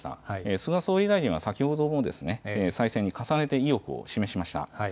菅総理大臣は先ほども再選に重ねて意欲を示しました。